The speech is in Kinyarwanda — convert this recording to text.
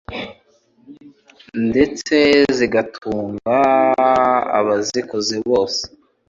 ndetse zigatunga abazikoze, bose